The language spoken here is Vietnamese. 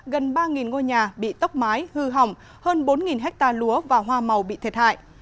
gần ba ngôi nhà bị tốc mái hư hỏng hơn bốn hectare lúa và hoa màu bị thiệt hại